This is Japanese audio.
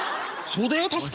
そうだよ確か。